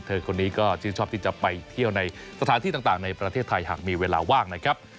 คนนี้ก็ชื่นชอบที่จะไปเที่ยวในสถานที่ต่างในประเทศไทยหากมีเวลาว่างนะครับ